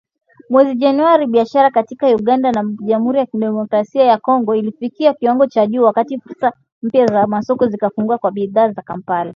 mwezi Januari, biashara kati ya Uganda na Jamhuri ya Kidemokrasia ya Kongo ilifikia kiwango cha juu, wakati fursa mpya za masoko zikafunguka kwa bidhaa za Kampala.